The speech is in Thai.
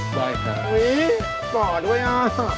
ได้ค่ะอุ๊ยหม่อด้วยน่ะ